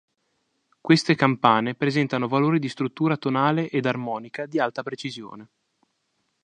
Queste campane presentano valori di struttura tonale ed armonica di alta precisione.